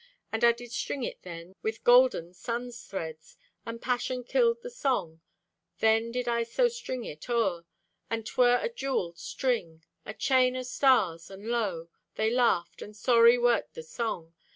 And I did string it then With golden sun's threads, And Passion killed the song. Then did I to string it o'er— And 'twer a jeweled string— A chain o' stars, and lo, They laughed, and sorry wert the song.